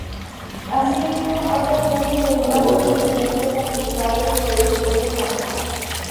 Asimismo, otras leyes regulan procedimientos aplicables por el juez de familia.